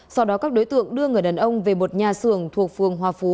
sau đó các đối tượng đưa người đàn ông về một nhà xưởng thuộc phường hòa phú